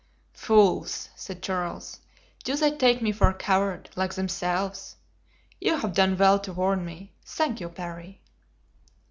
"Fools," said Charles, "do they take me for a coward, like themselves? You have done well to warn me. Thank you, Parry."